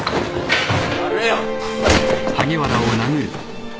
やれよ。